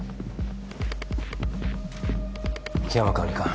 桧山管理官